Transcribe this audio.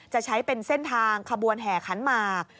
จะใช้เป็นเส้นทางขบวนแห่ขันหมาก